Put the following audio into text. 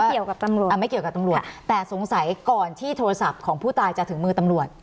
เกี่ยวกับตำรวจอ่าไม่เกี่ยวกับตำรวจแต่สงสัยก่อนที่โทรศัพท์ของผู้ตายจะถึงมือตำรวจ